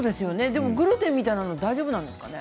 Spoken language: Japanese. グルテンみたいなの大丈夫なんですかね。